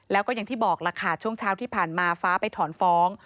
แล้วก็อย่างที่บอกล่ะค่ะช่วงเช้าที่ผ่านมาฟ้าไปถอนฟ้อง